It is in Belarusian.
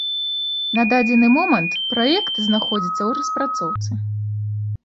На дадзены момант праект знаходзіцца ў распрацоўцы.